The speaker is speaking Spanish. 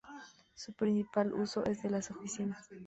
Su principal uso es el de oficinas.